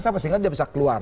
sehingga dia bisa keluar